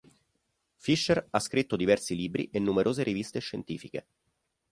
Fisher, ha scritto diversi libri e numerose riviste scientifiche.